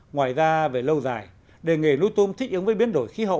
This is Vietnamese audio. ngoài ra về lâu dài để nghề nuôi tôm thích ứng với biến đổi khí hậu